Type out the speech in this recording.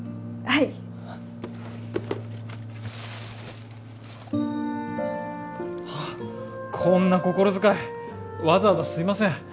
はいあこんな心遣いわざわざすいません